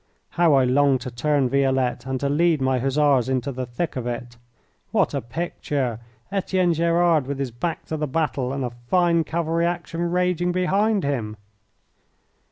How I longed to turn Violette, and to lead my Hussars into the thick of it! What a picture! Etienne Gerard with his back to the battle, and a fine cavalry action raging behind him.